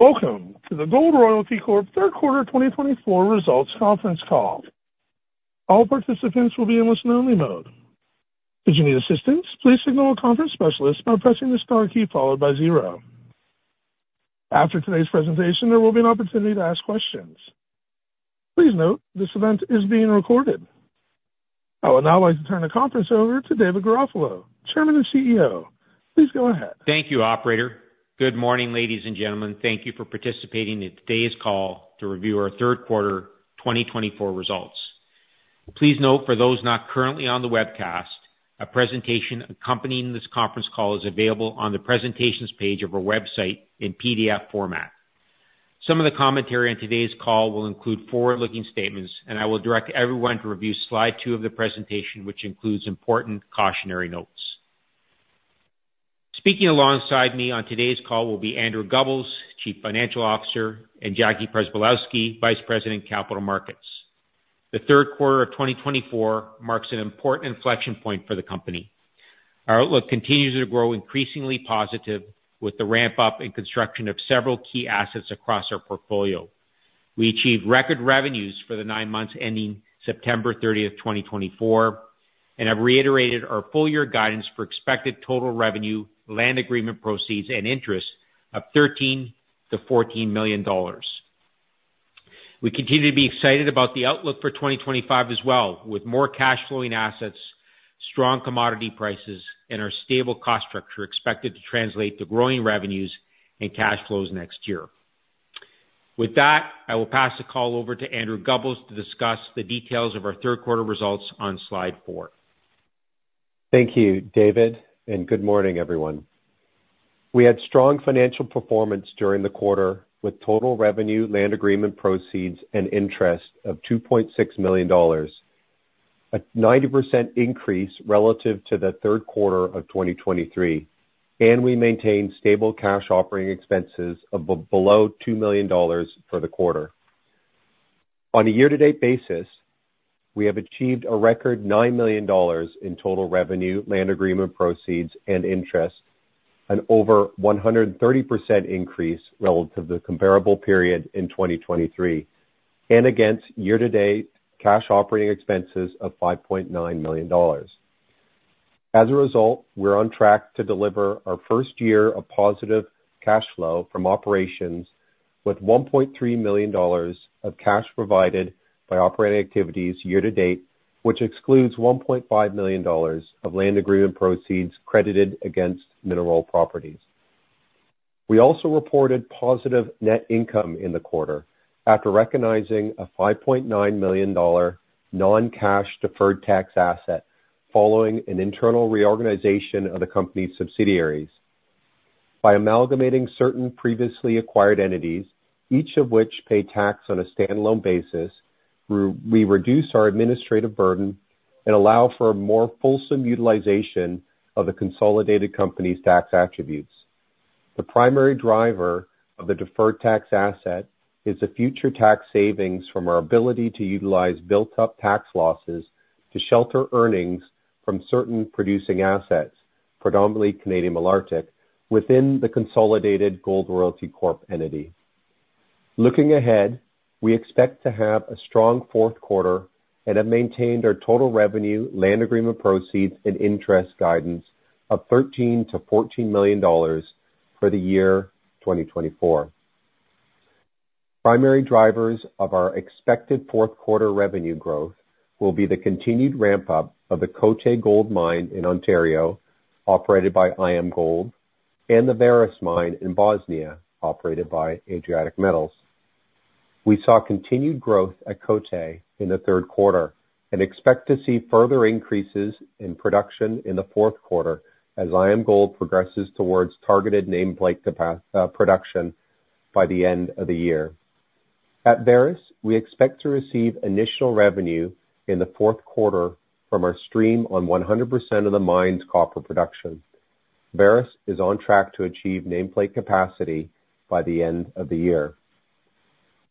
Welcome to the Gold Royalty Corp Third Quarter 2024 Results Conference Call. All participants will be in listen-only mode. If you need assistance, please signal a conference specialist by pressing the star key followed by zero. After today's presentation, there will be an opportunity to ask questions. Please note this event is being recorded. I would now like to turn the conference over to David Garofalo, Chairman and CEO. Please go ahead. Thank you, Operator. Good morning, ladies and gentlemen. Thank you for participating in today's call to review our Third Quarter 2024 results. Please note, for those not currently on the webcast, a presentation accompanying this conference call is available on the presentations page of our website in PDF format. Some of the commentary in today's call will include forward-looking statements, and I will direct everyone to review slide two of the presentation, which includes important cautionary notes. Speaking alongside me on today's call will be Andrew Gubbels, Chief Financial Officer, and Jackie Przybylowski, Vice President, Capital Markets. The Third Quarter of 2024 marks an important inflection point for the company. Our outlook continues to grow increasingly positive with the ramp-up and construction of several key assets across our portfolio. We achieved record revenues for the nine months ending September 30th, 2024, and have reiterated our full-year guidance for expected total revenue, land agreement proceeds, and interest of $13 million-$14 million. We continue to be excited about the outlook for 2025 as well, with more cash-flowing assets, strong commodity prices, and our stable cost structure expected to translate to growing revenues and cash flows next year. With that, I will pass the call over to Andrew Gubbels to discuss the details of our Third Quarter results on slide four. Thank you, David, and good morning, everyone. We had strong financial performance during the quarter with total revenue, land agreement proceeds, and interest of $2.6 million, a 90% increase relative to the third quarter of 2023, and we maintained stable cash-operating expenses of below $2 million for the quarter. On a year-to-date basis, we have achieved a record $9 million in total revenue, land agreement proceeds, and interest, an over 130% increase relative to the comparable period in 2023, and against year-to-date cash-operating expenses of $5.9 million. As a result, we're on track to deliver our first year of positive cash flow from operations, with $1.3 million of cash provided by operating activities year-to-date, which excludes $1.5 million of land agreement proceeds credited against mineral properties. We also reported positive net income in the quarter after recognizing a $5.9 million non-cash deferred tax asset following an internal reorganization of the company's subsidiaries. By amalgamating certain previously acquired entities, each of which paid tax on a standalone basis, we reduce our administrative burden and allow for a more fulsome utilization of the consolidated company's tax attributes. The primary driver of the deferred tax asset is the future tax savings from our ability to utilize built-up tax losses to shelter earnings from certain producing assets, predominantly Canadian Malartic, within the consolidated Gold Royalty Corp entity. Looking ahead, we expect to have a strong fourth quarter and have maintained our total revenue, land agreement proceeds, and interest guidance of $13 million-$14 million for the year 2024. Primary drivers of our expected fourth quarter revenue growth will be the continued ramp-up of the Côté Gold mine in Ontario, operated by IAMGOLD, and the Vareš mine in Bosnia, operated by Adriatic Metals. We saw continued growth at Côté in the third quarter and expect to see further increases in production in the fourth quarter as IAMGOLD progresses towards targeted nameplate production by the end of the year. At Vareš, we expect to receive initial revenue in the fourth quarter from our stream on 100% of the mine's copper production. Vareš is on track to achieve nameplate capacity by the end of the year.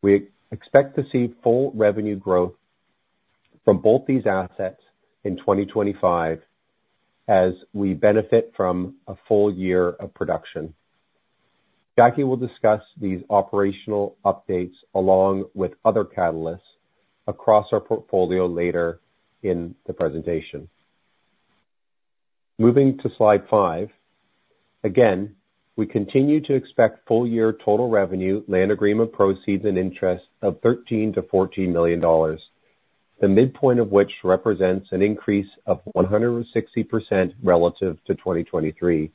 We expect to see full revenue growth from both these assets in 2025 as we benefit from a full year of production. Jackie will discuss these operational updates along with other catalysts across our portfolio later in the presentation. Moving to slide five, again, we continue to expect full-year total revenue, land agreement proceeds, and interest of $13 million-$14 million, the midpoint of which represents an increase of 160% relative to 2023.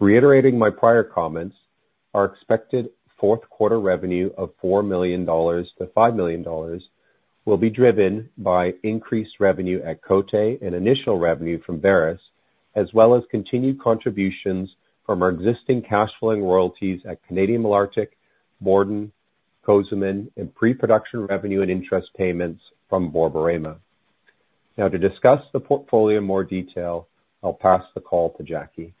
Reiterating my prior comments, our expected fourth quarter revenue of $4 million-$5 million will be driven by increased revenue at Côté and initial revenue from Vareš, as well as continued contributions from our existing cash-flowing royalties at Canadian Malartic, Borden, Cozamin, and pre-production revenue and interest payments from Borborema. Now, to discuss the portfolio in more detail, I'll pass the call to Jackie.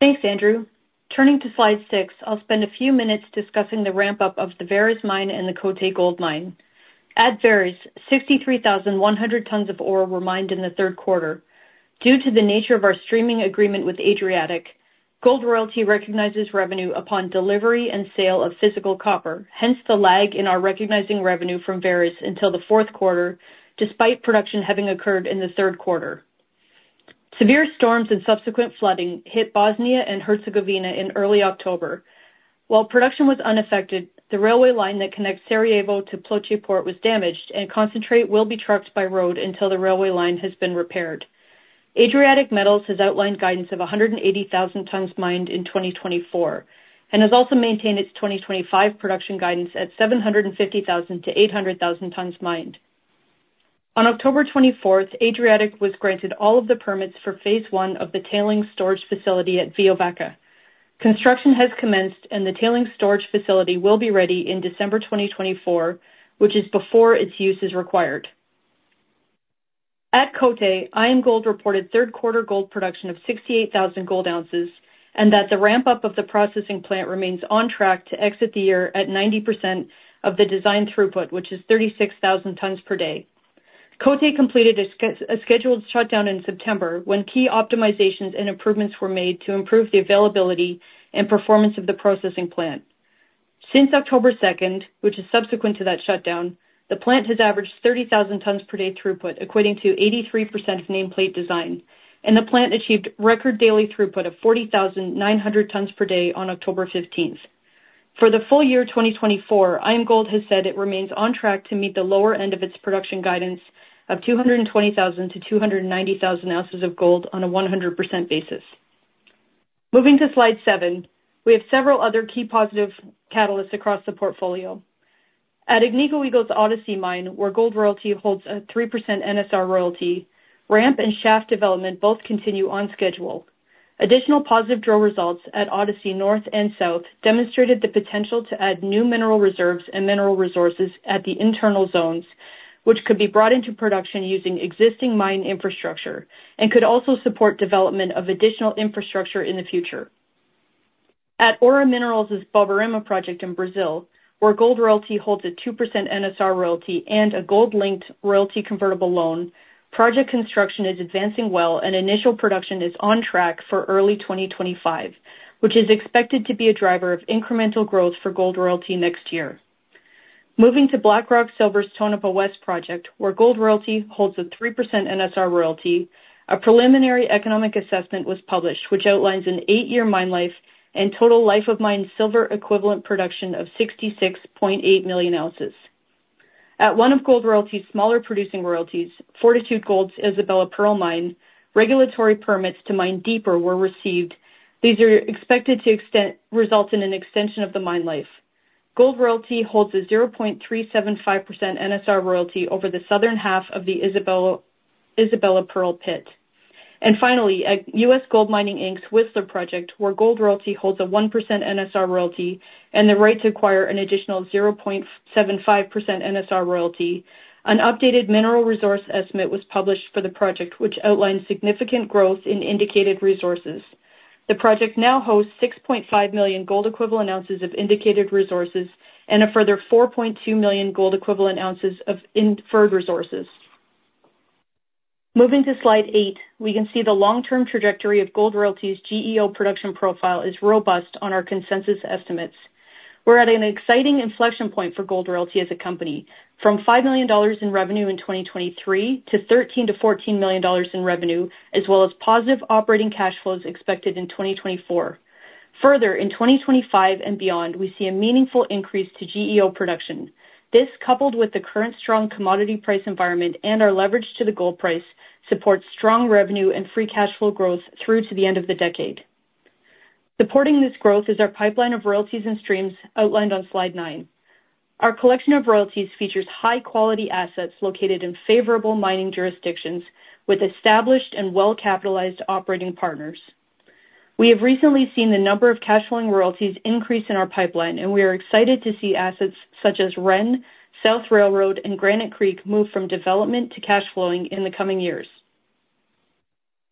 Thanks, Andrew. Turning to slide six, I'll spend a few minutes discussing the ramp-up of the Vareš mine and the Côté Gold mine. At Vareš, 63,100 tons of ore were mined in the third quarter. Due to the nature of our streaming agreement with Adriatic Metals, Gold Royalty recognizes revenue upon delivery and sale of physical copper, hence the lag in our recognizing revenue from Vareš until the fourth quarter, despite production having occurred in the third quarter. Severe storms and subsequent flooding hit Bosnia and Herzegovina in early October. While production was unaffected, the railway line that connects Sarajevo to Ploče Port was damaged, and concentrate will be trucked by road until the railway line has been repaired. Adriatic Metals has outlined guidance of 180,000 tons mined in 2024 and has also maintained its 2025 production guidance at 750,000 tons-800,000 tons mined. On October 24th, Adriatic was granted all of the permits for phase one of the tailings storage facility at Veovaca. Construction has commenced, and the tailings storage facility will be ready in December 2024, which is before its use is required. At Côté, IAMGOLD reported third quarter gold production of 68,000 gold ounces and that the ramp-up of the processing plant remains on track to exit the year at 90% of the design throughput, which is 36,000 tons per day. Côté completed a scheduled shutdown in September when key optimizations and improvements were made to improve the availability and performance of the processing plant. Since October 2nd, which is subsequent to that shutdown, the plant has averaged 30,000 tons per day throughput, equating to 83% of nameplate design, and the plant achieved record daily throughput of 40,900 tons per day on October 15th. For the full year 2024, IAMGOLD has said it remains on track to meet the lower end of its production guidance of 220,000 ounces-290,000 ounces of gold on a 100% basis. Moving to slide seven, we have several other key positive catalysts across the portfolio. At Agnico Eagle's Odyssey Mine, where Gold Royalty holds a 3% NSR royalty, ramp and shaft development both continue on schedule. Additional positive drill results at Odyssey North and South demonstrated the potential to add new mineral reserves and mineral resources at the internal zones, which could be brought into production using existing mine infrastructure and could also support development of additional infrastructure in the future. At Aura Minerals' Borborema project in Brazil, where Gold Royalty holds a 2% NSR royalty and a gold-linked royalty convertible loan, project construction is advancing well and initial production is on track for early 2025, which is expected to be a driver of incremental growth for Gold Royalty next year. Moving to Blackrock Silver's Tonopah West project, where Gold Royalty holds a 3% NSR royalty, a preliminary economic assessment was published, which outlines an eight-year mine life and total life-of-mine silver equivalent production of 66.8 million ounces. At one of Gold Royalty's smaller producing royalties, Fortitude Gold's Isabella Pearl Mine, regulatory permits to mine deeper were received. These are expected to result in an extension of the mine life. Gold Royalty holds a 0.375% NSR royalty over the southern half of the Isabella Pearl pit. And finally, at U.S. GoldMining Inc.'s Whistler project, where Gold Royalty holds a 1% NSR royalty and the right to acquire an additional 0.75% NSR royalty, an updated mineral resource estimate was published for the project, which outlined significant growth in indicated resources. The project now hosts 6.5 million gold equivalent ounces of indicated resources and a further 4.2 million gold equivalent ounces of inferred resources. Moving to slide eight, we can see the long-term trajectory of Gold Royalty's GEO production profile is robust on our consensus estimates. We're at an exciting inflection point for Gold Royalty as a company, from $5 million in revenue in 2023 to $13 million-$14 million in revenue, as well as positive operating cash flows expected in 2024. Further, in 2025 and beyond, we see a meaningful increase to GEO production. This, coupled with the current strong commodity price environment and our leverage to the gold price, supports strong revenue and free cash flow growth through to the end of the decade. Supporting this growth is our pipeline of royalties and streams outlined on slide nine. Our collection of royalties features high-quality assets located in favorable mining jurisdictions with established and well-capitalized operating partners. We have recently seen the number of cash-flowing royalties increase in our pipeline, and we are excited to see assets such as Ren, South Railroad, and Granite Creek move from development to cash flowing in the coming years.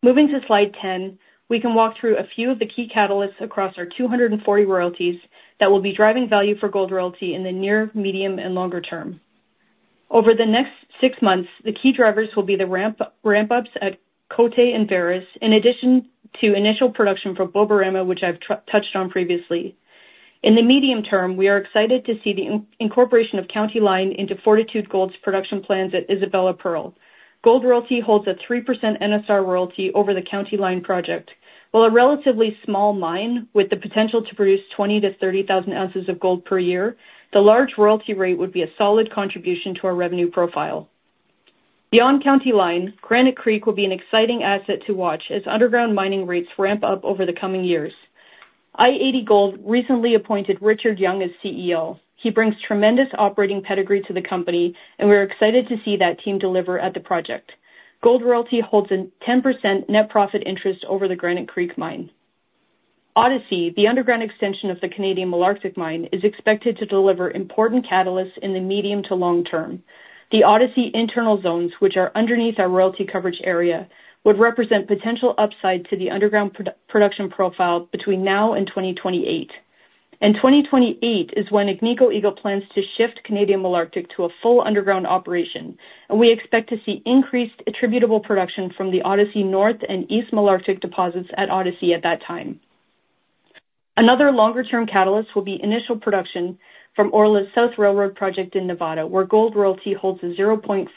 Moving to slide ten, we can walk through a few of the key catalysts across our 240 royalties that will be driving value for Gold Royalty in the near, medium, and longer term. Over the next six months, the key drivers will be the ramp-ups at Côté and Vareš, in addition to initial production from Borborema, which I've touched on previously. In the medium term, we are excited to see the incorporation of County Line into Fortitude Gold's production plans at Isabella Pearl. Gold Royalty holds a 3% NSR royalty over the County Line project. While a relatively small mine with the potential to produce 20,000 ounces-30,000 ounces of gold per year, the large royalty rate would be a solid contribution to our revenue profile. Beyond County Line, Granite Creek will be an exciting asset to watch as underground mining rates ramp up over the coming years. i-80 Gold recently appointed Richard Young as CEO. He brings tremendous operating pedigree to the company, and we're excited to see that team deliver at the project. Gold Royalty holds a 10% net profit interest over the Granite Creek mine. Odyssey, the underground extension of the Canadian Malartic mine, is expected to deliver important catalysts in the medium to long term. The Odyssey internal zones, which are underneath our royalty coverage area, would represent potential upside to the underground production profile between now and 2028, and 2028 is when Agnico Eagle plans to shift Canadian Malartic to a full underground operation, and we expect to see increased attributable production from the Odyssey North and East Malartic deposits at Odyssey at that time. Another longer-term catalyst will be initial production from Orla's South Railroad project in Nevada, where Gold Royalty holds a 0.44%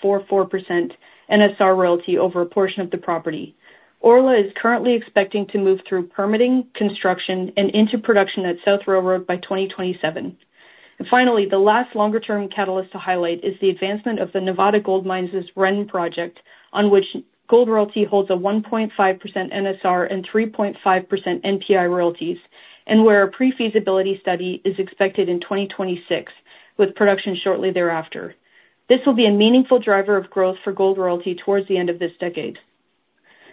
NSR royalty over a portion of the property. Orla is currently expecting to move through permitting, construction, and into production at South Railroad by 2027. Finally, the last longer-term catalyst to highlight is the advancement of the Nevada Gold Mines' Ren project, on which Gold Royalty holds a 1.5% NSR and 3.5% NPI royalties, and where a pre-feasibility study is expected in 2026, with production shortly thereafter. This will be a meaningful driver of growth for Gold Royalty towards the end of this decade.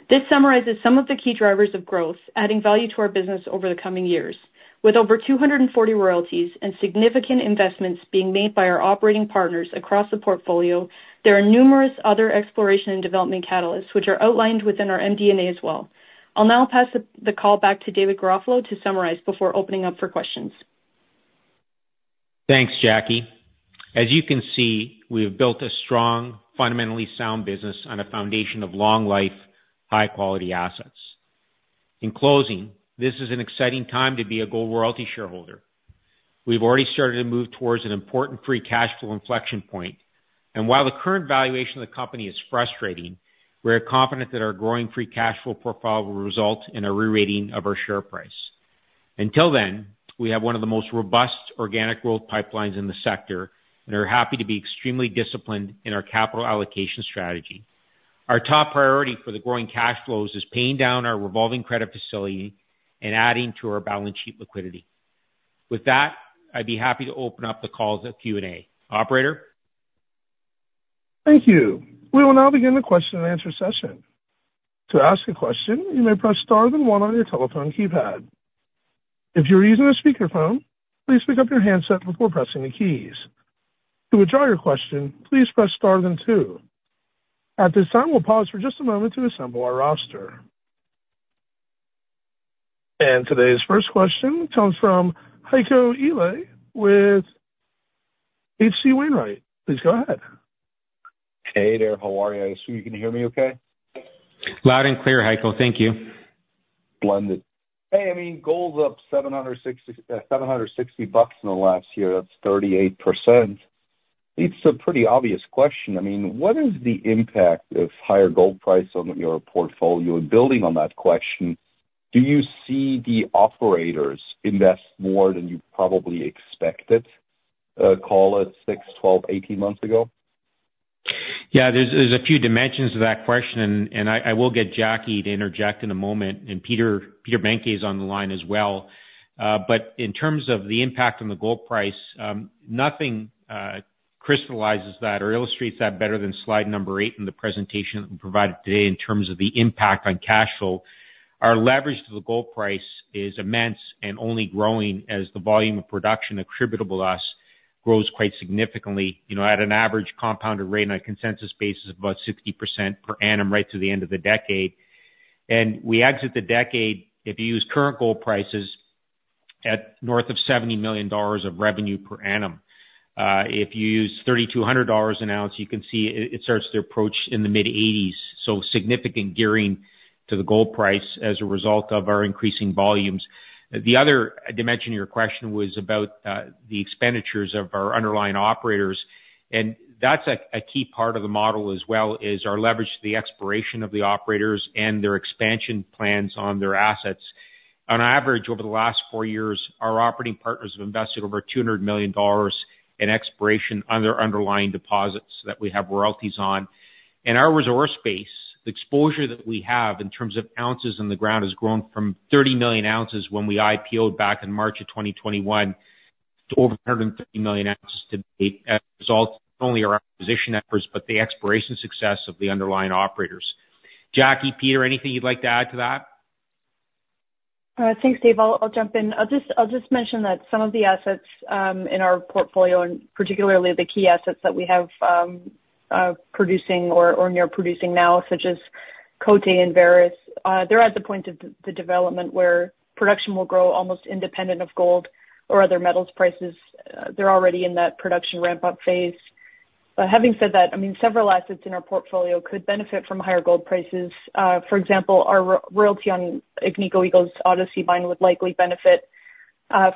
This summarizes some of the key drivers of growth, adding value to our business over the coming years. With over 240 royalties and significant investments being made by our operating partners across the portfolio, there are numerous other exploration and development catalysts, which are outlined within our MD&A as well. I'll now pass the call back to David Garofalo to summarize before opening up for questions. Thanks, Jackie. As you can see, we have built a strong, fundamentally sound business on a foundation of long-life, high-quality assets. In closing, this is an exciting time to be a Gold Royalty shareholder. We've already started to move towards an important free cash flow inflection point, and while the current valuation of the company is frustrating, we are confident that our growing free cash flow profile will result in a re-rating of our share price. Until then, we have one of the most robust organic growth pipelines in the sector and are happy to be extremely disciplined in our capital allocation strategy. Our top priority for the growing cash flows is paying down our revolving credit facility and adding to our balance sheet liquidity. With that, I'd be happy to open up the call to Q&A. Operator? Thank you. We will now begin the question and answer session. To ask a question, you may press star then one on your telephone keypad. If you're using a speakerphone, please pick up your handset before pressing the keys. To withdraw your question, please press star then two. At this time, we'll pause for just a moment to assemble our roster, and today's first question comes from Heiko Ihle with H.C. Wainwright. Please go ahead. Hey there, how are you? I assume you can hear me okay. Loud and clear, Heiko. Thank you. Blended. Hey, I mean, gold's up $760 in the last year. That's 38%. It's a pretty obvious question. I mean, what is the impact of higher gold price on your portfolio? And building on that question, do you see the operators invest more than you probably expected, call it six, 12, 18 months ago? Yeah, there's a few dimensions to that question, and I will get Jackie to interject in a moment. Peter Behncke is on the line as well. In terms of the impact on the gold price, nothing crystallizes that or illustrates that better than slide number eight in the presentation provided today in terms of the impact on cash flow. Our leverage to the gold price is immense and only growing as the volume of production attributable to us grows quite significantly at an average compounded rate on a consensus basis of about 60% per annum right to the end of the decade. We exit the decade, if you use current gold prices, at north of $70 million of revenue per annum. If you use $3,200 an ounce, you can see it starts to approach in the mid-80s. Significant gearing to the gold price as a result of our increasing volumes. The other dimension of your question was about the expenditures of our underlying operators. That's a key part of the model as well is our leverage to the exploration of the operators and their expansion plans on their assets. On average, over the last four years, our operating partners have invested over $200 million in exploration on their underlying deposits that we have royalties on. Our resource base, the exposure that we have in terms of ounces in the ground has grown from 30 million ounces when we IPO'd back in March of 2021 to over 130 million ounces today as a result not only of our acquisition efforts, but the exploration success of the underlying operators. Jackie, Peter, anything you'd like to add to that? Thanks, Dave. I'll jump in. I'll just mention that some of the assets in our portfolio, and particularly the key assets that we have producing or near producing now, such as Côté and Vareš, they're at the point of the development where production will grow almost independent of gold or other metals prices. They're already in that production ramp-up phase. Having said that, I mean, several assets in our portfolio could benefit from higher gold prices. For example, our royalty on Agnico Eagle's Odyssey mine would likely benefit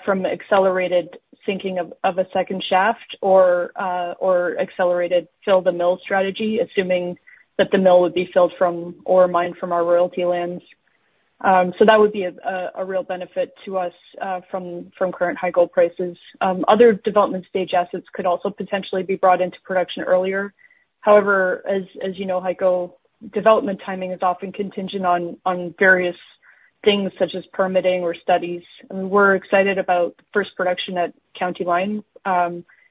from accelerated sinking of a second shaft or accelerated fill-the-mill strategy, assuming that the mill would be filled from or mined from our royalty lands. So that would be a real benefit to us from current high gold prices. Other development-stage assets could also potentially be brought into production earlier. However, as you know, Heiko, development timing is often contingent on various things such as permitting or studies. I mean, we're excited about first production at County Line,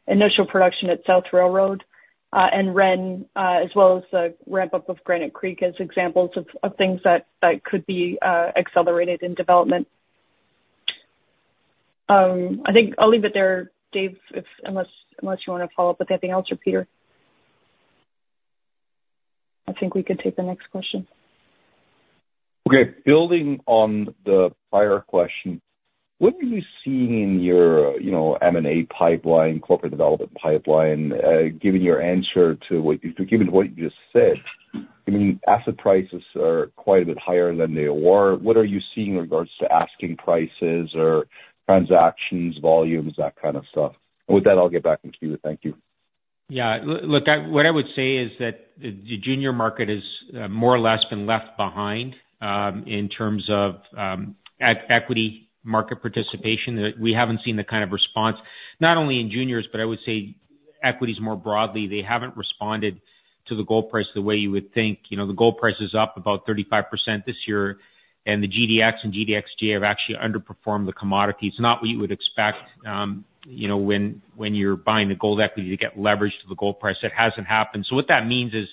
initial production at South Railroad, and Ren, as well as the ramp-up of Granite Creek as examples of things that could be accelerated in development. I think I'll leave it there, Dave, unless you want to follow up with anything else or Peter. I think we could take the next question. Okay. Building on the prior question, what are you seeing in your M&A pipeline, corporate development pipeline, given your answer to what you've given to what you just said? I mean, asset prices are quite a bit higher than they were. What are you seeing in regards to asking prices or transactions, volumes, that kind of stuff? With that, I'll get back to you. Thank you. Yeah. Look, what I would say is that the junior market has more or less been left behind in terms of equity market participation. We haven't seen the kind of response, not only in juniors, but I would say equities more broadly. They haven't responded to the gold price the way you would think. The gold price is up about 35% this year, and the GDX and GDXJ have actually underperformed the commodities. Not what you would expect when you're buying the gold equity to get leveraged to the gold price. That hasn't happened. So what that means is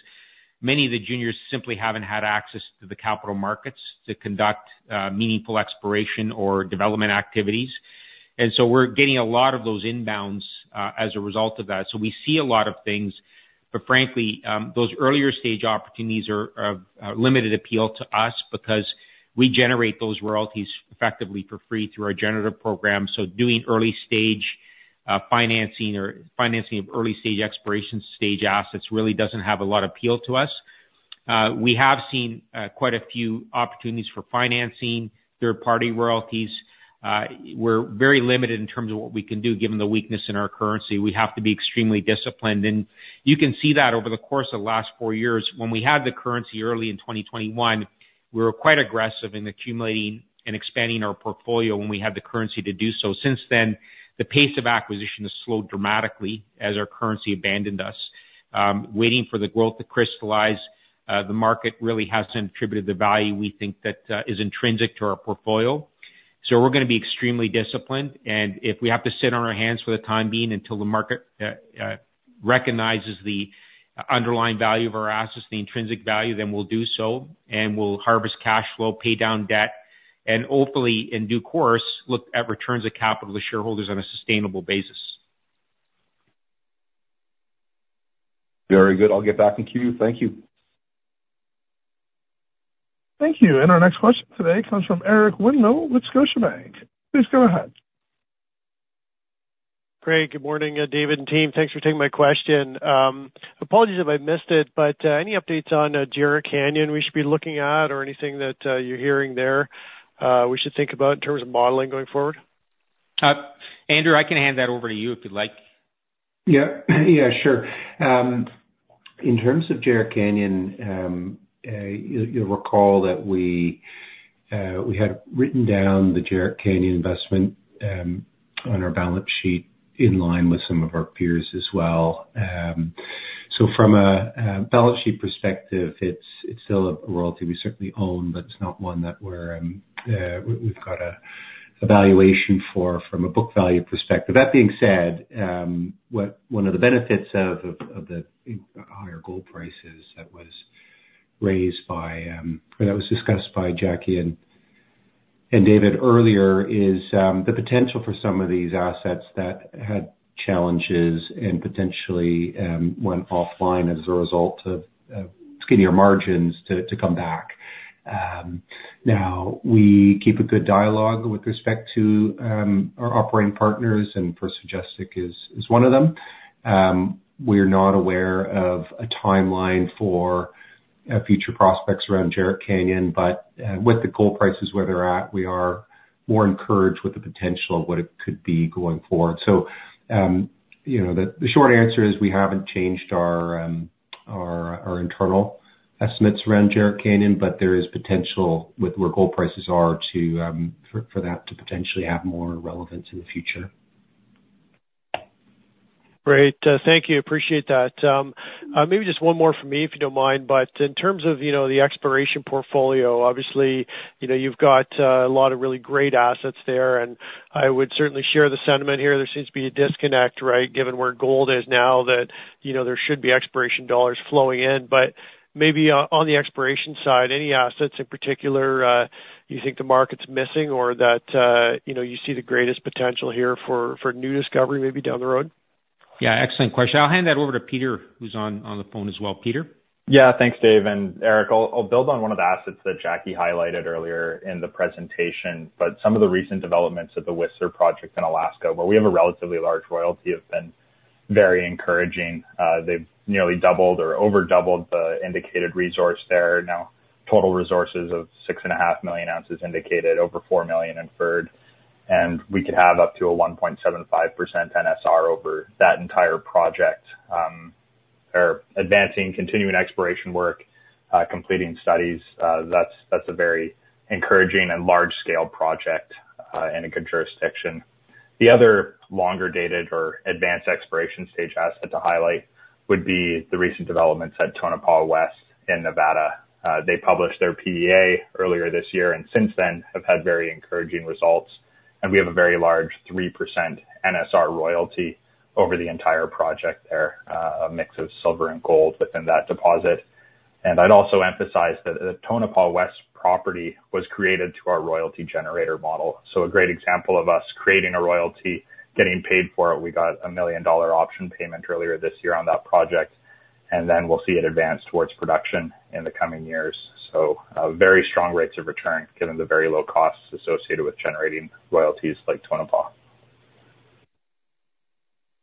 many of the juniors simply haven't had access to the capital markets to conduct meaningful exploration or development activities. And so we're getting a lot of those inbounds as a result of that. We see a lot of things, but frankly, those earlier-stage opportunities are of limited appeal to us because we generate those royalties effectively for free through our generative program. Doing early-stage financing or financing of early-stage exploration stage assets really doesn't have a lot of appeal to us. We have seen quite a few opportunities for financing third-party royalties. We're very limited in terms of what we can do given the weakness in our currency. We have to be extremely disciplined. You can see that over the course of the last four years. When we had the currency early in 2021, we were quite aggressive in accumulating and expanding our portfolio when we had the currency to do so. Since then, the pace of acquisition has slowed dramatically as our currency abandoned us. Waiting for the growth to crystallize, the market really hasn't attributed the value we think that is intrinsic to our portfolio. So we're going to be extremely disciplined. And if we have to sit on our hands for the time being until the market recognizes the underlying value of our assets, the intrinsic value, then we'll do so. And we'll harvest cash flow, pay down debt, and hopefully, in due course, look at returns of capital to shareholders on a sustainable basis. Very good. I'll get back to you. Thank you. Thank you. And our next question today comes from Eric Winmill with Scotiabank. Please go ahead. Great. Good morning, David and team. Thanks for taking my question. Apologies if I missed it, but any updates on Jerritt Canyon we should be looking at or anything that you're hearing there we should think about in terms of modeling going forward? Andrew, I can hand that over to you if you'd like. Yeah. Yeah, sure. In terms of Jerritt Canyon, you'll recall that we had written down the Jerritt Canyon investment on our balance sheet in line with some of our peers as well. So from a balance sheet perspective, it's still a royalty we certainly own, but it's not one that we've got a valuation for from a book value perspective. That being said, one of the benefits of the higher gold prices that was raised by or that was discussed by Jackie and David earlier is the potential for some of these assets that had challenges and potentially went offline as a result of skinnier margins to come back. Now, we keep a good dialogue with respect to our operating partners, and First Majestic is one of them. We are not aware of a timeline for future prospects around Jerritt Canyon, but with the gold prices where they're at, we are more encouraged with the potential of what it could be going forward. So the short answer is we haven't changed our internal estimates around Jerritt Canyon, but there is potential with where gold prices are for that to potentially have more relevance in the future. Great. Thank you. Appreciate that. Maybe just one more from me, if you don't mind. But in terms of the exploration portfolio, obviously, you've got a lot of really great assets there. And I would certainly share the sentiment here. There seems to be a disconnect, right, given where gold is now, that there should be exploration dollars flowing in. But maybe on the exploration side, any assets in particular you think the market's missing or that you see the greatest potential here for new discovery maybe down the road? Yeah. Excellent question. I'll hand that over to Peter, who's on the phone as well. Peter? Yeah. Thanks, Dave. And Eric, I'll build on one of the assets that Jackie highlighted earlier in the presentation, but some of the recent developments at the Whistler project in Alaska, where we have a relatively large royalty, have been very encouraging. They've nearly doubled or overdoubled the indicated resource there. Now, total resources of 6.5 million ounces indicated, over 4 million inferred. And we could have up to a 1.75% NSR over that entire project. They're advancing continuing exploration work, completing studies. That's a very encouraging and large-scale project in a good jurisdiction. The other longer-dated or advanced exploration stage asset to highlight would be the recent developments at Tonopah West in Nevada. They published their PEA earlier this year and since then have had very encouraging results. We have a very large 3% NSR royalty over the entire project there, a mix of silver and gold within that deposit. I'd also emphasize that the Tonopah West property was created to our royalty generator model. It is a great example of us creating a royalty, getting paid for it. We got a $1 million option payment earlier this year on that project. Then we'll see it advance towards production in the coming years. It provides very strong rates of return given the very low costs associated with generating royalties like Tonopah.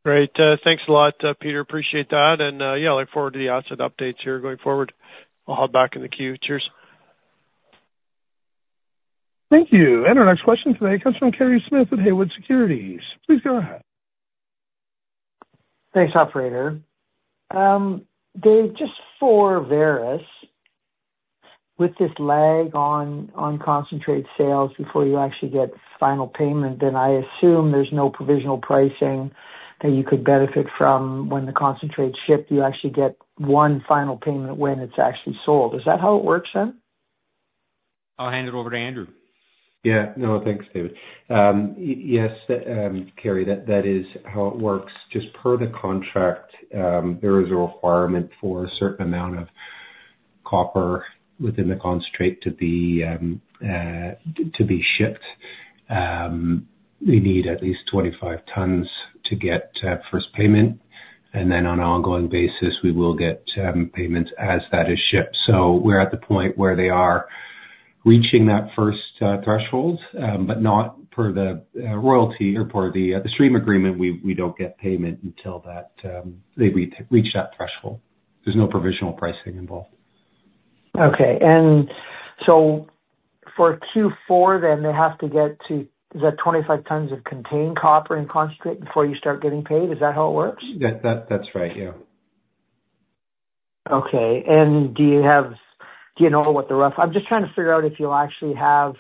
Great. Thanks a lot, Peter. Appreciate that. And yeah, I look forward to the asset updates here going forward. I'll hop back in the queue. Cheers. Thank you. And our next question today comes from Kerry Smith at Haywood Securities. Please go ahead. Thanks, operator. Dave, just for Vareš, with this lag on concentrate sales before you actually get final payment, then I assume there's no provisional pricing that you could benefit from when the concentrate shipped, you actually get one final payment when it's actually sold. Is that how it works then? I'll hand it over to Andrew. Yeah. No, thanks, David. Yes, Kerry, that is how it works. Just per the contract, there is a requirement for a certain amount of copper within the concentrate to be shipped. We need at least 25 tons to get first payment, and then on an ongoing basis, we will get payments as that is shipped, so we're at the point where they are reaching that first threshold, but not per the royalty or per the stream agreement. We don't get payment until they reach that threshold. There's no provisional pricing involved. Okay, and so for Q4, then they have to get to, is that 25 tons of contained copper in concentrate before you start getting paid? Is that how it works? That's right. Yeah. Okay. And do you know what the rough? I'm just trying to figure out if you'll actually have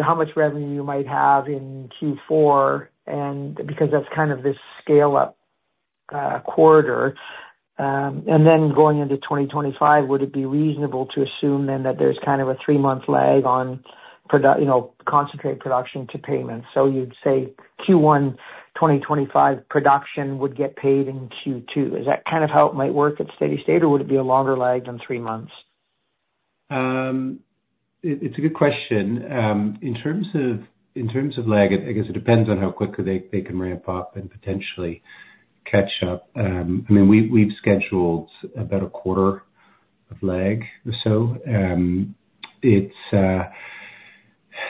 how much revenue you might have in Q4 because that's kind of this scale-up quarter. And then going into 2025, would it be reasonable to assume then that there's kind of a three-month lag on concentrate production to payment? So you'd say Q1 2025 production would get paid in Q2. Is that kind of how it might work at steady state, or would it be a longer lag than three months? It's a good question. In terms of lag, I guess it depends on how quickly they can ramp up and potentially catch up. I mean, we've scheduled about a quarter of lag or so.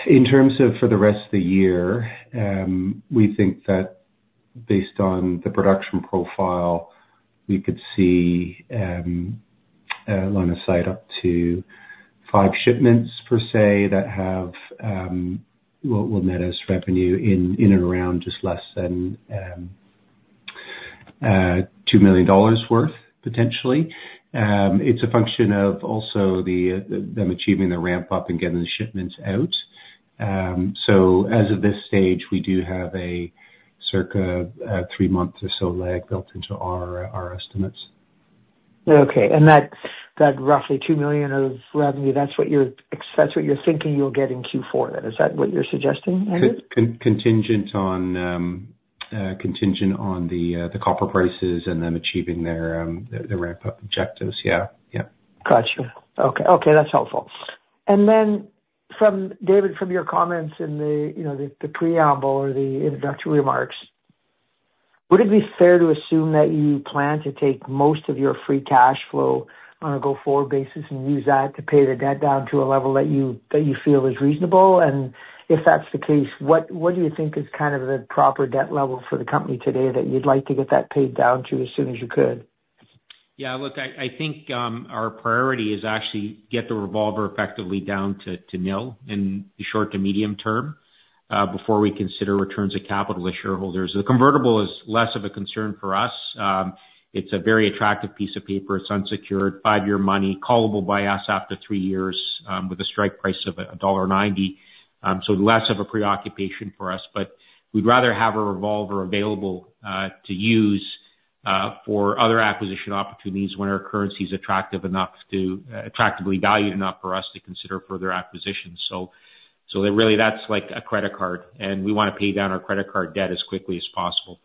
In terms of for the rest of the year, we think that based on the production profile, we could see along the side up to five shipments per se that will net us revenue in and around just less than $2 million worth, potentially. It's a function of also them achieving the ramp-up and getting the shipments out. So as of this stage, we do have a circa three-month or so lag built into our estimates. Okay, and that roughly $2 million of revenue, that's what you're thinking you'll get in Q4 then. Is that what you're suggesting, Andrew? Contingent on the copper prices and them achieving their ramp-up objectives. Yeah. Yeah. Gotcha. Okay. Okay. That's helpful. And then, David, from your comments in the preamble or the introductory remarks, would it be fair to assume that you plan to take most of your free cash flow on a go-forward basis and use that to pay the debt down to a level that you feel is reasonable? And if that's the case, what do you think is kind of the proper debt level for the company today that you'd like to get that paid down to as soon as you could? Yeah. Look, I think our priority is actually to get the revolver effectively down to nil in the short to medium term before we consider returns of capital to shareholders. The convertible is less of a concern for us. It's a very attractive piece of paper. It's unsecured, five-year money, callable by us after three years with a strike price of $1.90. So less of a preoccupation for us. But we'd rather have a revolver available to use for other acquisition opportunities when our currency is attractive enough to attractively valued enough for us to consider further acquisitions. So really, that's like a credit card, and we want to pay down our credit card debt as quickly as possible.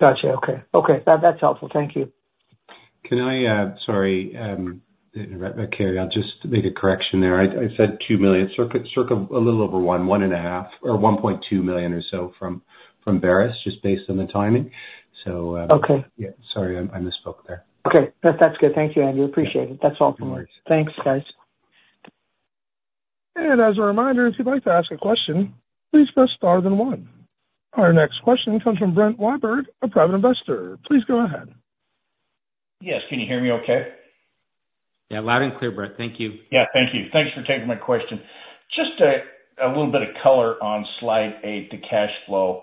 Gotcha. Okay. Okay. That's helpful. Thank you. Can I, sorry. Kerry, I'll just make a correction there. I said $2 million. Circa a little over $1, $1.5 or $1.2 million or so from Vareš, just based on the timing. So yeah, sorry, I misspoke there. Okay. That's good. Thank you, Andrew. Appreciate it. That's all from me. No worries. Thanks, guys. As a reminder, if you'd like to ask a question, please press star then one. Our next question comes from Brett Wyberg, a private investor. Please go ahead. Yes. Can you hear me okay? Yeah. Loud and clear, Brett. Thank you. Yeah. Thank you. Thanks for taking my question. Just a little bit of color on slide eight, the cash flow.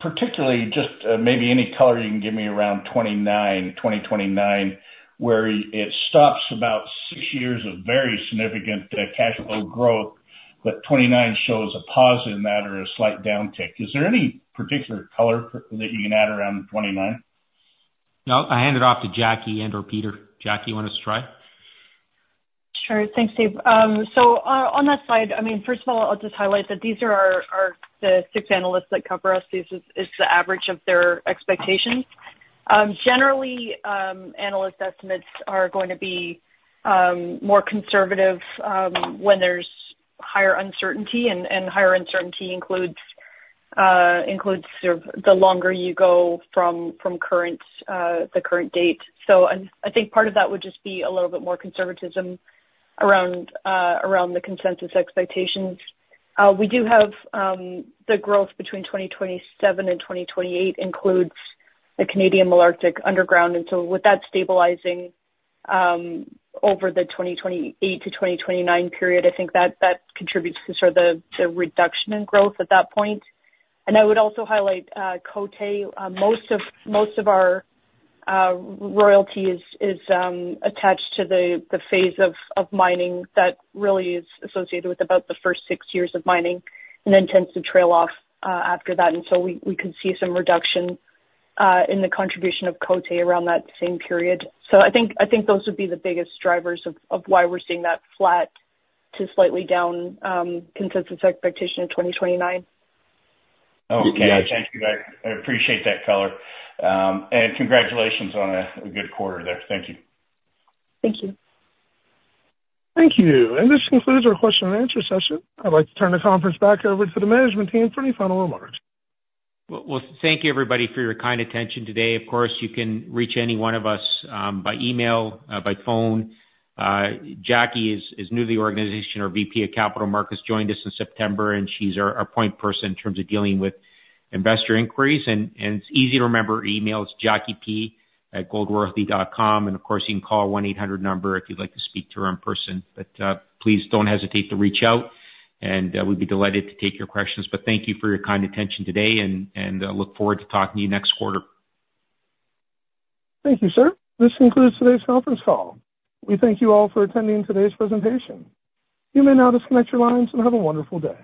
Particularly, just maybe any color you can give me around 2029, where it stops about six years of very significant cash flow growth, but 2029 shows a positive number or a slight downtick. Is there any particular color that you can add around 2029? No. I hand it off to Jackie and/or Peter. Jackie, you want us to try? Sure. Thanks, Dave. So on that slide, I mean, first of all, I'll just highlight that these are the six analysts that cover us. This is the average of their expectations. Generally, analyst estimates are going to be more conservative when there's higher uncertainty. And higher uncertainty includes the longer you go from the current date. So I think part of that would just be a little bit more conservatism around the consensus expectations. We do have the growth between 2027 and 2028 includes the Canadian Malartic underground. And so with that stabilizing over the 2028-2029 period, I think that contributes to sort of the reduction in growth at that point. And I would also highlight Côté. Most of our royalty is attached to the phase of mining that really is associated with about the first six years of mining and then tends to trail off after that. And so we could see some reduction in the contribution of Côté around that same period. So I think those would be the biggest drivers of why we're seeing that flat to slightly down consensus expectation in 2029. Oh, thank you, guys. I appreciate that color, and congratulations on a good quarter there. Thank you. Thank you. Thank you, and this concludes our question and answer session. I'd like to turn the conference back over to the management team for any final remarks. Thank you, everybody, for your kind attention today. Of course, you can reach any one of us by email, by phone. Jackie is new to the organization. Our VP of Capital Markets joined us in September, and she's our point person in terms of dealing with investor inquiries. It's easy to remember her email. It's JackieP@goldroyalty.com. Of course, you can call 1-800 number if you'd like to speak to her in person. Please don't hesitate to reach out, and we'd be delighted to take your questions. Thank you for your kind attention today, and I look forward to talking to you next quarter. Thank you, sir. This concludes today's conference call. We thank you all for attending today's presentation. You may now disconnect your lines and have a wonderful day.